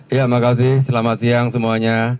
ya terima kasih selamat siang semuanya